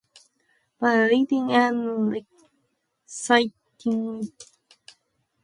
By reading and reciting poems, students can focus on enunciating words clearly and correctly.